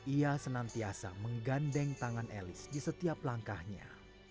ia senantiasa menggandeng tangan elis di setiap langkahnya